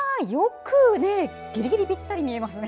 ぎりぎりぴったり見えますね。